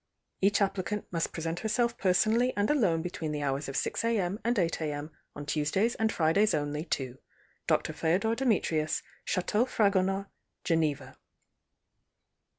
Each applicant must present herself personally and alone between the hours of 6 a.m. and 8 a.m. on Tuesdays and Fridays only to "dr. feodor dimitrius, "Chateau Fragonard, "Geneva."